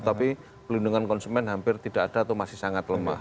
tapi pelindungan konsumen hampir tidak ada atau masih sangat lemah